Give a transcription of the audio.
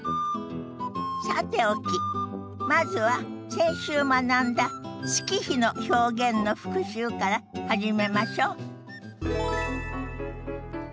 さておきまずは先週学んだ月日の表現の復習から始めましょ。